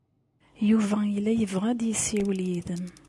Yuba yella yebɣa ad yessiwel yid-m.